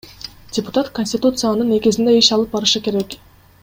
Депутат Конституциянын негизинде иш алып барышы керек.